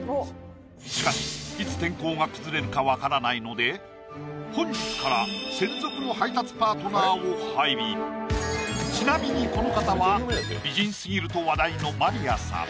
しかしいつ天候が崩れるか分からないので本日からちなみにこの方は美人過ぎると話題のマリアさん